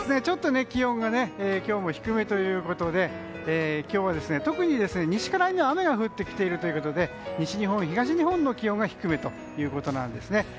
ちょっと気温が今日も低めということで今日は特に西から雨が降ってきているということで西日本、東日本の気温が低めということです。